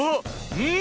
うん！